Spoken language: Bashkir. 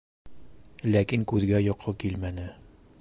Ләкин күҙгә йоҡо килмәне.